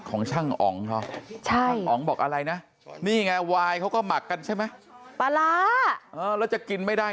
ตอนแรกคุณถามบอกผีแล้วผีแล้วมะป้าบอกไม่ผีอย่าเหม็น